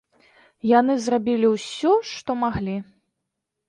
Яны зрабілі ўсё, што маглі.